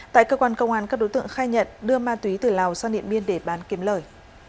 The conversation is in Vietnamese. tại cơ quan công an các đối tượng khai nhận đưa ma túy từ lào sang điện biên để bán kiếm lời